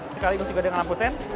sekaligus juga dengan lampu sen